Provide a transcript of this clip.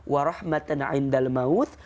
wa rahmatan a'inda'l mawth